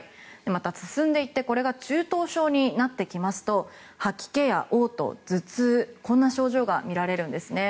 また、進んでいってこれが中等症になりますと吐き気や嘔吐、頭痛こんな症状が見られるんですね。